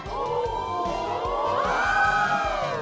โอ้โห